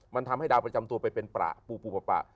มันทำให้ดาวประจำตัวไปเป็นประปูปูปะปะ